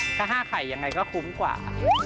ถ้า๕ไข่ยังไงก็คุ้มกว่า